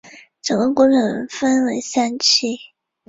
整个工程共分三期。